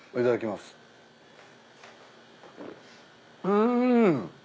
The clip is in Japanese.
うん。